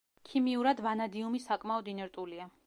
ქიმიურად ვანადიუმი საკმაოდ ინერტულია.